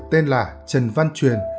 tên là trần văn truyền